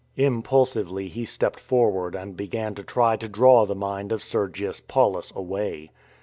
Impulsively he stepped forward and began to try to draw the mind of Sergius Paulus away.